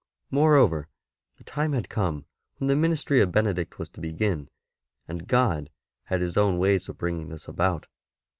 Moreover, the time had come when the ministry of Benedict was to begin, and God had His own ways of bringing this about.